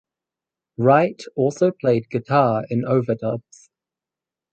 Wright also played guitar in overdubs.